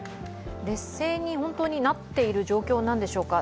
劣勢に本当になっている状況なんでしょうか？